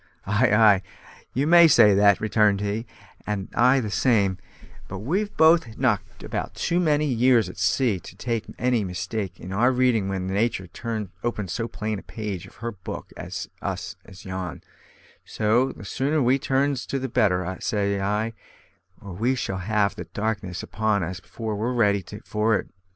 "Ay, ay! you may say that," returned he, "and I the same; but we've both knocked about too many years at sea to make any mistake in our reading when Natur' opens so plain a page of her book for us as yon; so the sooner we turns to the better, say I, or we shall have the darkness upon us afore we're ready for it.